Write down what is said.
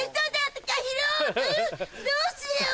崇裕どうしよう？